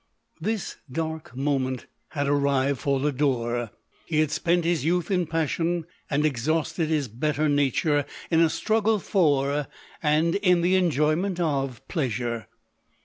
This dark moment had arrived for Lodore. He had spent his youth in passion, and exhausted his better na ture in a Btrtiggle for, and in the enjoyment of, pleasure.